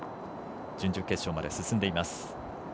準々決勝まで進んでいます。